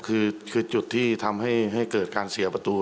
คือจุดที่ทำให้เกิดการเสียประตู